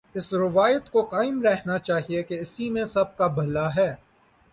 اس روایت کو قائم رہنا چاہیے کہ اسی میں سب کابھلا ہے۔